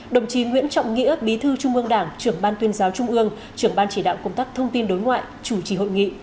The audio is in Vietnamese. đồng chí nguyễn trọng nghĩa bí thư trung ương đảng trưởng ban tuyên giáo trung ương trưởng ban chỉ đạo công tác thông tin đối ngoại chủ trì hội nghị